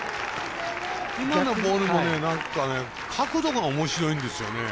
今のボールも、なんか角度がおもしろいんですよね。